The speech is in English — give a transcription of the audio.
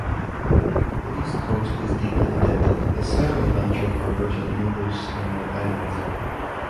The east coast is deeply indented, with several natural harbors and numerous smaller islands.